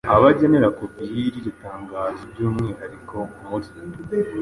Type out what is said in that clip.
abo agenera kopi y’iryo tangazo by’umwihariko muri «